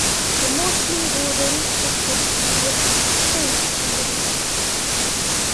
The mostly rural district of Nelson spills into the city.